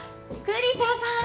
栗田さん。